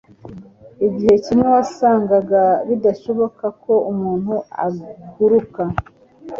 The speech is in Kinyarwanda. Igihe kimwe wasangaga bidashoboka ko umuntu aguruka.